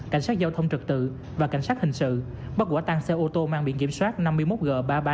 cảnh sát giao thông trật tự và cảnh sát hình sự bắt quả tăng xe ô tô mang biển kiểm soát năm mươi một g ba trăm ba mươi